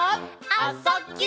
「あ・そ・ぎゅ」